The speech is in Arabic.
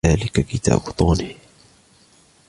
ذلك كتاب طوني.